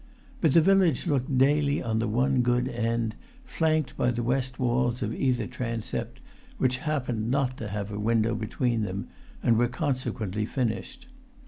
But the village looked daily on the one good end, flanked by the west walls of either transept, which happened not to have a window between them, and were consequently finished.